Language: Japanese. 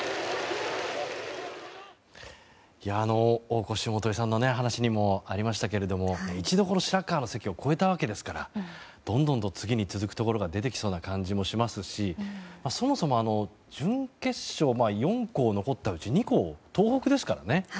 大越基さんの話にもありましたけど一度、白河の関を越えたわけですからどんどんと次に続くところが出てきそうな感じもしますしそもそも準決勝４校残ったうち２校東北ですからね。